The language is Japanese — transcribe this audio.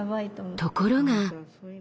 ところが。